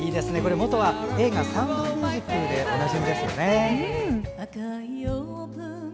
元は映画「サウンドオブミュージック」でおなじみですよね。